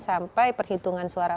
sampai perhitungan suara